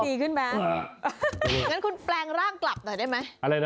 อ้อดีขึ้นมั้ยอ่าคุณแปลงร่างกลับหน่อยได้ไหม